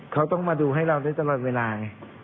เขาต้องมาดูให้เราได้ตลอดเวลาไง